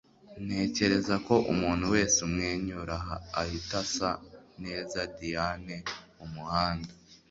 ntekereza ko umuntu wese umwenyura ahita asa neza. - diane umuhanda